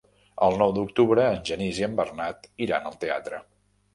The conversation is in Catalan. El nou d'octubre en Genís i en Bernat iran al teatre.